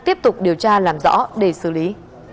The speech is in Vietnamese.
tiếp tục điều tra làm rõ để xử lý